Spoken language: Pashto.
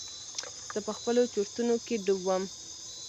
زه په خپلو چورتونو کښې ډوب وم.